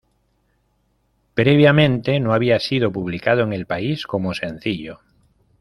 Previamente no había sido publicado en el país como sencillo.